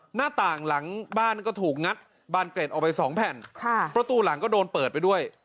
หน้าต่างหลังบ้านก็ถูกงัดบานเกร็ดออกไปสองแผ่นค่ะประตูหลังก็โดนเปิดไปด้วย